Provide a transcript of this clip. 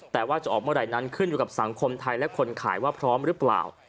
แต่ว่าจะออกเมื่อไหร่นั้นขึ้นอยู่กับสังคมไทยและคนขายว่าพร้อมหรือเปล่า